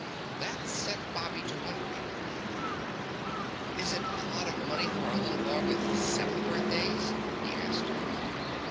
That set Bobby to wondering. "Is it lots of money for a little boy with seven birthdays?" he asked.